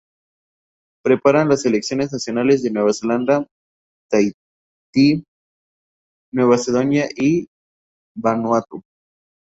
Participarán las selecciones nacionales de Nueva Zelanda, Tahití, Nueva Caledonia y Vanuatu.